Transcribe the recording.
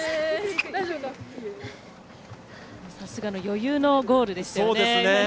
さすがの余裕のゴールでしたね。